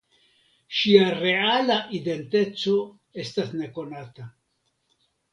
Ŝia reala identeco estas nekonata.